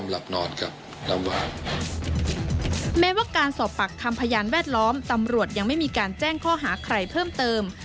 แม้ว่าการสอบปากคำพยานแวดล้อมตำรวจยังไม่มีการแจ้งข้อหาใครเพิ่มเติม